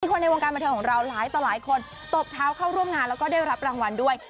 คนในวงการบันเทิงของเราหลายต่อหลายคนตบเท้าเข้าร่วมงานแล้วก็ได้รับรางวัลด้วย